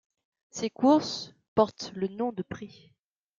Ces courses portent le nom de prix.